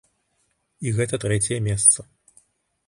І гэта трэцяе месца.